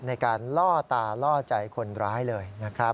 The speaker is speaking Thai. ในการล่อตาล่อใจคนร้ายเลยนะครับ